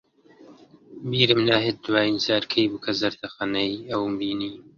بیرم ناهێت دوایین جار کەی بوو کە زەردەخەنەی ئەوم بینی.